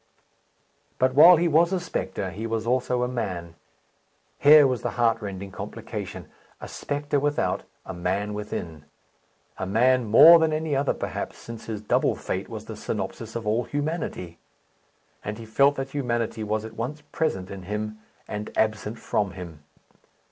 But while he was a spectre, he was also a man; here was the heartrending complication. A spectre without, a man within. A man more than any other, perhaps, since his double fate was the synopsis of all humanity. And he felt that humanity was at once present in him and absent from him.